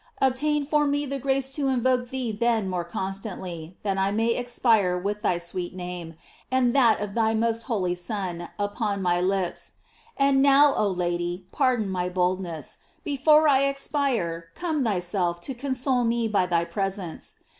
Obtain for me the grace to invoke thee then more constantly, that I may expire with GLORIES OF MARY. 767 thy sweet name, and that of thy most holy Son, upon my lips. And now, oh Lady, pardon my boldness: before I expire come thyself to con eole me by thy presence.